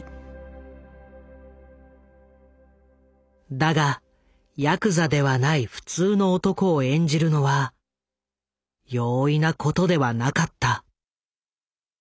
だがヤクザではない普通の男を演じるのは容易なことではなかった。